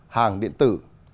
hàng điện tử